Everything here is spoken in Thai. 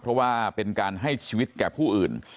เพราะว่าเป็นการให้ชีวิตแก่ผู้อื่น